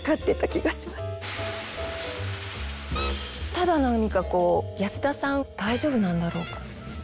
ただ何かこう安田さん大丈夫なんだろうか。